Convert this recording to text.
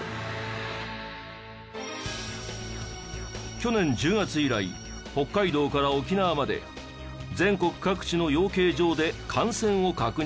去年１０月以来北海道から沖縄まで全国各地の養鶏場で感染を確認。